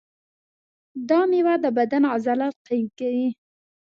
دا مېوه د بدن عضلات قوي کوي.